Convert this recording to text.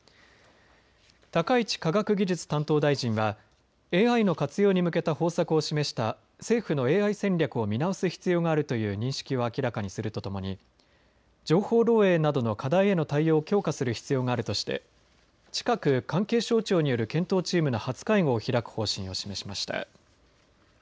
高市科学技術担当大臣はＡＩの活用に向けた方策を示した政府のＡＩ戦略を見直す必要があるという認識を明らかにするとともに情報漏えいなどの課題への対応を強化する必要があるとして近く関係省庁による検討チームの初会合を開く方針を示しました。